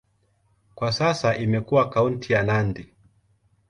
Kwa sasa imekuwa kaunti ya Nandi.